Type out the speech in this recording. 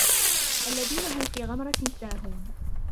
الَّذِينَ هُمْ فِي غَمْرَةٍ سَاهُونَ